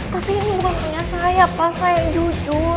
tapi ini bukan punya saya pak saya yang jujur